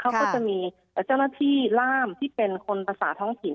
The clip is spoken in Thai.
เขาก็จะมีเจ้าหน้าที่ล่ามที่เป็นคนภาษาท้องถิ่น